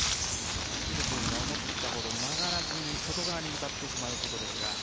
落ちるというのが思ったよりも曲がらずに外側に向かってしまうことですが。